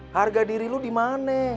harga diri lu dimane